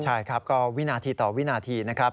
ใช่ครับก็วินาทีต่อวินาทีนะครับ